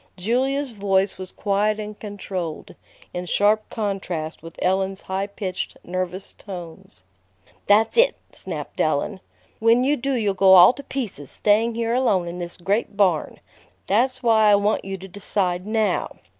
Julia's voice was quiet and controlled, in sharp contrast with Ellen's high pitched, nervous tones. "That's it!" snapped Ellen. "When you do, you'll go all to pieces, staying here alone in this great barn. That's why I want you to decide now.